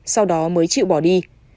sau đó mới chịu bỏ đi